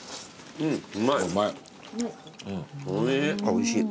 おいしい。